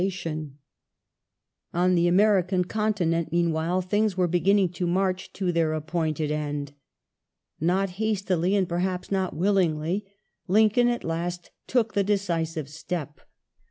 352 367 1865] THE COTTON FAMINE 319 On the American Continent, meanwhile, things were beginning to march to their appointed end. Not hastily, and perhaps not willingly, Lincoln at last took the decisive step.